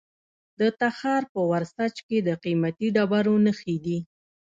د تخار په ورسج کې د قیمتي ډبرو نښې دي.